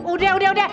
udah udah udah